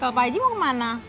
kalau pak haji mau kemana